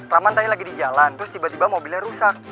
ramantanya lagi di jalan terus tiba tiba mobilnya rusak